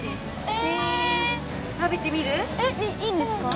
えいいんですか？